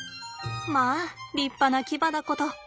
まあ立派な牙だこと。